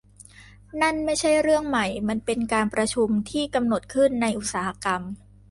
นั่นไม่ใช่เรื่องใหม่มันเป็นการประชุมที่กำหนดขึ้นในอุตสาหกรรม